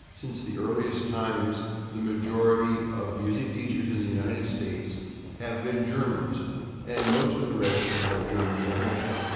Since the earliest times the majority of music teachers in the United States have been Germans, and most of the rest have had German training.